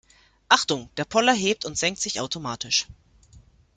Achtung, der Poller hebt und senkt sich automatisch.